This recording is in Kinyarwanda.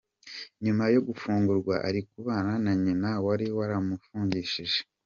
Nyuma yo gufungurwa ari kubana na nyina wari waramufungishije